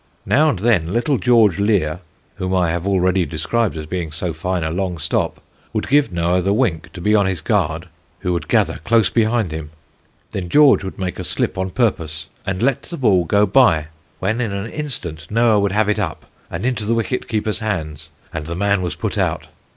Now and then little George Lear (whom I have already described as being so fine a long stop), would give Noah the wink to be on his guard, who would gather close behind him: then George would make a slip on purpose, and let the ball go by, when, in an instant, Noah would have it up, and into the wicket keeper's hands, and the man was put out.